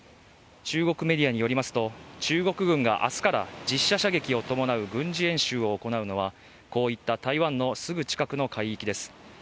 中国メディアによりますと中国軍が明日から実写射撃を伴う軍事演習地を行うのは、こういった台湾のすぐ近くの海域です。